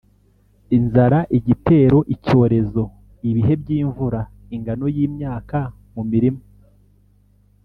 inzara, igitero, icyorezo, ibihe by’imvura, ingano y’imyaka mu mirima,